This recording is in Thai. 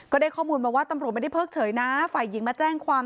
ได้ข้อมูลมาว่าตำรวจไม่ได้เพิกเฉยนะฝ่ายหญิงมาแจ้งความ